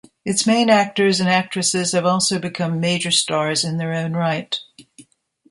Its main actors and actresses have also become major stars in their own right.